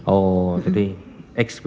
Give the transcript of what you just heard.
oh jadi x begitu ya